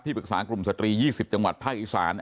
ปรึกษากลุ่มสตรี๒๐จังหวัดภาคอีสาน